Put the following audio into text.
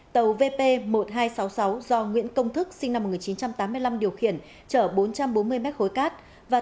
tàu vp một nghìn hai trăm sáu mươi sáu do nguyễn công thức sinh năm một nghìn chín trăm tám mươi năm điều khiển chở bốn trăm bốn mươi mét khối cát